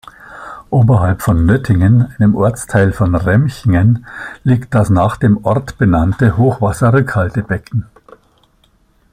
Oberhalb von Nöttingen, einem Ortsteil von Remchingen, liegt das nach dem Ort benannte Hochwasserrückhaltebecken.